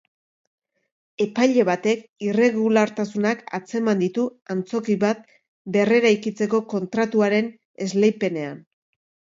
Epaile batek irregulartasunak atzeman ditu antzoki bat berreraikitzeko kontratuaren esleipenean.